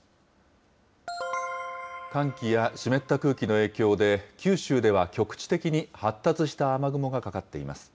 寒気や湿った空気の影響で、九州では局地的に発達した雨雲がかかっています。